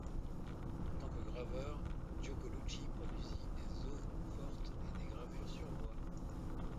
En tant que graveur, Gio Colucci produisit des eaux-fortes et des gravures sur bois.